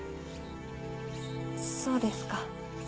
そうですか。